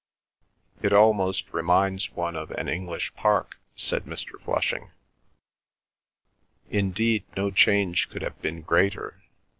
"It almost reminds one of an English park," said Mr. Flushing. Indeed no change could have been greater.